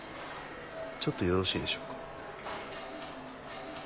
ちょっとよろしいでしょうか？